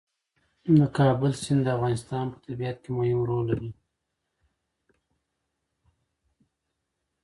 د کابل سیند د افغانستان په طبیعت کې مهم رول لري.